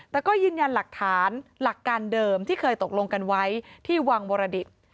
แต่ก็ยืนยันหลักฐานหลักการเดิมที่เคยตกลงกันไว้ที่วังวรดิต